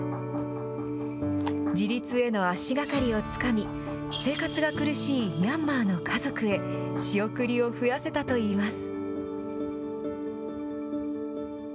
自立への足がかりをつかみ、生活が苦しいミャンマーの家族へ、仕送りを増やせたといいます。